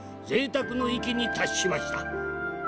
ぜいたくの域に達しました。